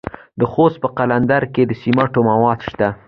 د خوست په قلندر کې د سمنټو مواد شته.